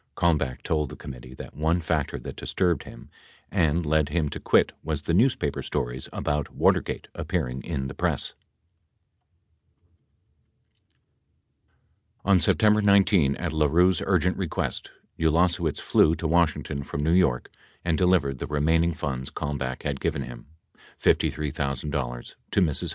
95 Kalmbach told the committee that one factor that disturbed him and led him to quit was the newspaper stories about Watergate appearing in the press. 96 On September 19, at LaRue's urgent request, Ulasewicz flew to Washington from New York and delivered the remaining funds Kalmbach had given him — $53,000 to Mrs. Hunt, $29,000 to LaRue.